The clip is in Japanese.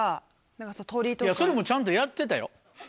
それもちゃんとやってたよ。